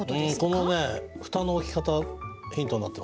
この蓋の置き方ヒントになってますね。